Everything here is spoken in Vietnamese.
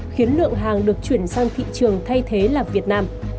khiến lượng hàng được chuyển sang thị trường thay thế là việt nam